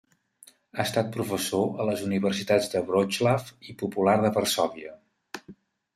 Ha estat professor a les universitats de Wroclaw i Popular de Varsòvia.